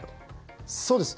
そうです。